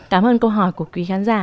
cảm ơn câu hỏi của quý khán giả